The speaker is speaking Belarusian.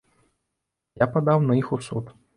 І я падаў на іх у суд.